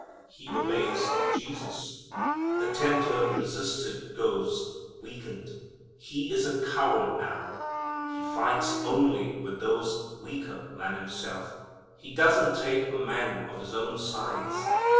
He obeys Jesus. The tempter resisted goes, weakened. He is a coward now. He fights only with those weaker than himself. He doesn't take a man of his own size.